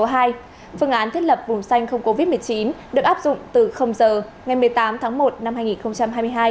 phương án thiết lập vùng xanh không covid một mươi chín được áp dụng từ giờ ngày một mươi tám tháng một năm hai nghìn hai mươi hai